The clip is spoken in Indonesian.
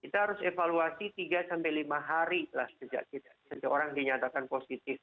kita harus evaluasi tiga sampai lima hari lah sejak seseorang dinyatakan positif